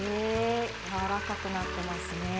やわらかくなってますね。